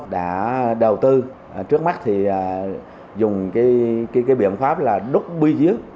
đã đầu tư trước mắt thì dùng cái biện pháp là đút bươi dứt